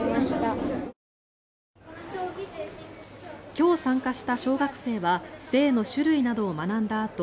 今日、参加した小学生は税の種類などを学んだあと